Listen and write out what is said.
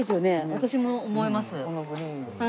私も思います。